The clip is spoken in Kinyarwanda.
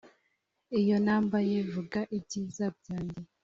iyo nambaye, vuga, ibyiza byanjye